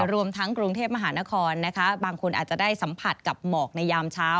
รวมทั้งกรุงเทพมหานครนะคะบางคนอาจจะได้สัมผัสกับหมอกในยามเช้า